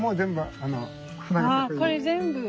あこれ全部？